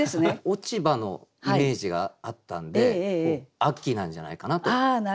落ち葉のイメージがあったんで秋なんじゃないかなと。